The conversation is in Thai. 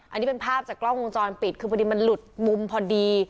อันนี้เป็นภาพจากกล้องวงจรปิดคือพอดีมันหลุดมุมพอดี